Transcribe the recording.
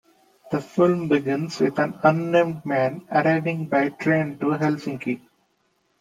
The film begins with an unnamed man arriving by train to Helsinki.